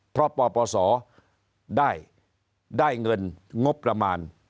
เพราะปปศได้เงินงบประมาณ